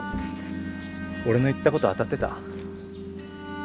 俺の言ったこと当たってた？